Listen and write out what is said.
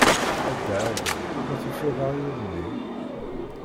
A Dda Ɛli! ma tufiḍ aɣyul-nni?